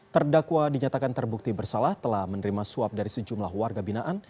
terdakwa dinyatakan terbukti bersalah telah menerima suap dari sejumlah warga binaan